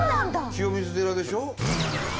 清水寺でしょ？